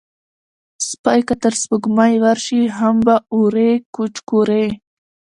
سپى که تر سپوږمۍ ورشي، هم به اوري کوچ کورې